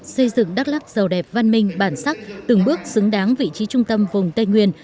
xây dựng đắk lắc giàu đẹp văn minh bản sắc từng bước xứng đáng vị trí trung tâm vùng tây nguyên